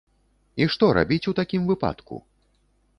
І што рабіць у такім выпадку?